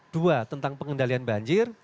dua tentang pengendalian banjir